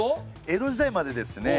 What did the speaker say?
江戸時代までですね